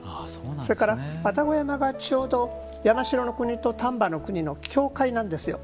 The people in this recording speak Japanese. それから愛宕山が、ちょうど山城国と丹波国の境界なんですよ。